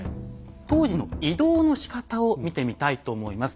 当時の移動のしかたを見てみたいと思います。